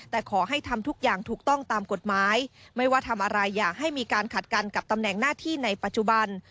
แต่ขอให้ทำทุกอย่างถูกต้องตามกฎหมายไม่ว่าทำอะไรอย่าให้มีการขัดกันกับตำแหน่งหน้าที่ในปัจจุบัน